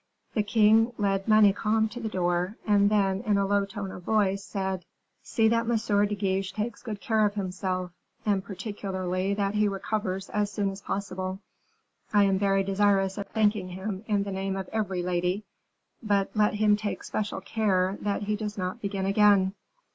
The king led Manicamp to the door, and then in a low tone of voice said: "See that M. de Guiche takes good care of himself, and particularly that he recovers as soon as possible; I am very desirous of thanking him in the name of every lady, but let him take special care that he does not begin again."